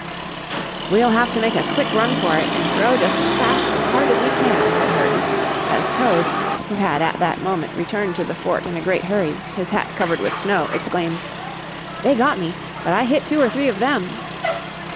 "We'll have to make a quick run for it and throw just as fast and hard as we can," said Herbie, as Toad, who had at that moment returned to the fort in a great hurry, his hat covered with snow, exclaimed: "They got me, but I hit two or three of them!"